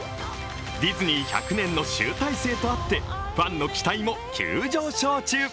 ディズニー１００年の集大成とあってファンの期待も急上昇中。